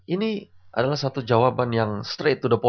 ini adalah satu jawaban yang straight to the point kalau saya katakan